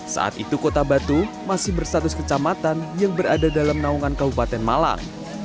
saat itu kota batu masih berstatus kecamatan yang berada dalam naungan kabupaten malang